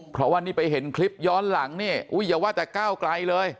เพราะว่านี่ไปเห็นคลิปย้อนหลังเนี่ยอุ้ยอย่าว่าแต่ก้าวไกลเลย